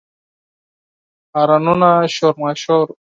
هارنونه، شور ماشور